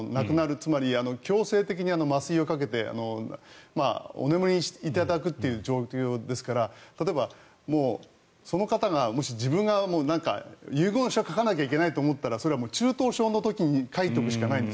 つまり強制的に麻酔をかけてお眠りいただくという状況ですから例えば、その方がもし自分が遺言書を書かないといけないと思ったらそれは中等症の時に書いておくしかないんです。